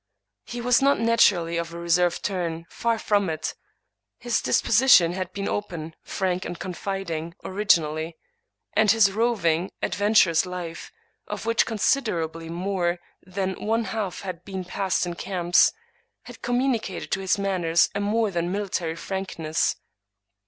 He was not naturally of a reserved turn ; far from it. His dispo sition had been open, frank, and confiding, originally; and his roving, adventurous life, of which considerably more than one half had been passed in camps, had communicated to his manners a more than military frankness.